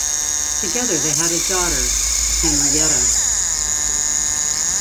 Together they had a daughter, Henrietta.